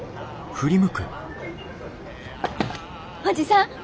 おじさん！